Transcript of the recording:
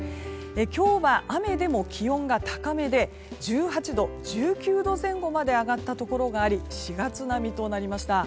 今日は雨でも気温が高めで１８度、１９度前後まで上がったところがあり４月並みとなりました。